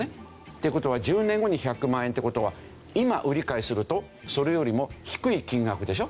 っていう事は１０年後に１００万円って事は今売り買いするとそれよりも低い金額でしょ。